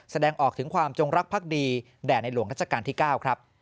แสดงออกถึงความจงรักภักดีแด่ในหลวงรัชกาลที่๙ครับ